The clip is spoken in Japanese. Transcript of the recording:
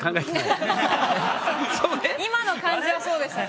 今の感じはそうでした。